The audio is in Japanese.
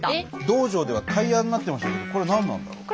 道場ではタイヤになってましたけどこれ何なんだろう？